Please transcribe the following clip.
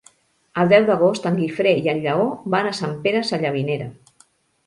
El deu d'agost en Guifré i en Lleó van a Sant Pere Sallavinera.